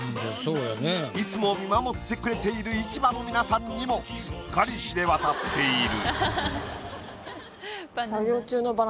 いつも見守ってくれている市場の皆さんにもすっかり知れ渡っている。